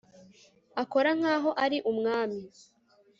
akora nkaho ari umwami